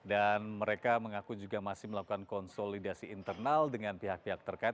dan mereka mengaku juga masih melakukan konsolidasi internal dengan pihak pihak terkait